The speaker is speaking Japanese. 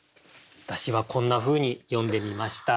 私はこんなふうに詠んでみました。